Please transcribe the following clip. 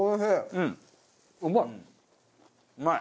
うまい！